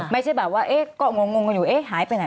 ไม่ใช่แบบว่าก็งงอยู่หายไปไหน